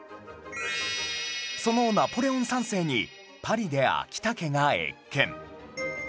そのナポレオン三世にパリで昭武が謁見